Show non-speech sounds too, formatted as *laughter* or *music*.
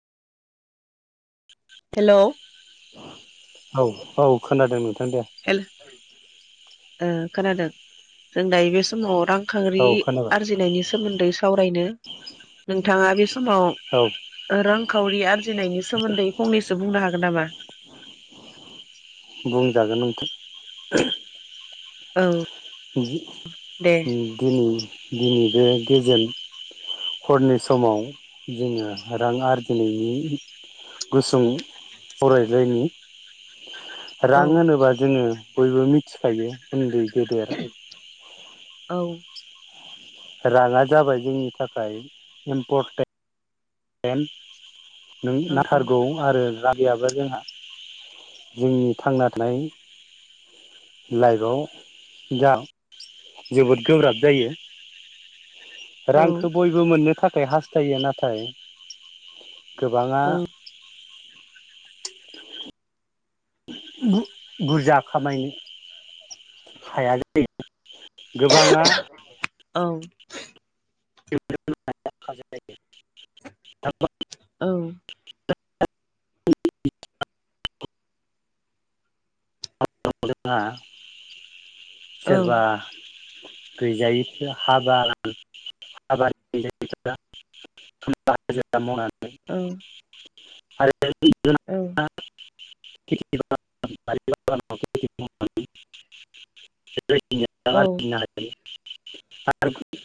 Hello औ औ खोनादों नों हेल ओ खोनादों? जों दायो बे समाव रां खावरि औ खोनाबाय आरजिनायनि सोमोन्दै सावरायनो नोंथाङा बे औ समाव रांखावरि आरजिनायनि सोमोन्दै फंनैसो बुंनो हागोन नामा? बुंजागोन नोंथां *inaudible* औ गि दे *unintelligible* गिनि दिनै बे गेजोन हरनि समाव जोङो रां आरजिनायनि गुसुं फरायलायनि रां औ होनोबा जोङो बयबो मिथिखायो उन्दै गेदेर *inaudible* औ राङा जाबाय जोंनि थाखाय इम्पर तेन नों औ नांथारगौ आरो रां गैयाबा जोंहा जोंनि थांना थानाय लाइफआव दा जोबोद गोब्राब जायो। औ रांखौ बयबो मोननो था खाय हास्थायो नाथाय। *inaudible* गोबाङा औ *inaudible* बु बुरजा खामायनो हाया जायो। *unintelligible* गोबाङा औ *unintelligible* औ *unintelligible* *unintelligible* सोरबा *unintelligible* औ आरो *unintelligible* औ *unintelligible* *unintelligible* *unintelligible* आरो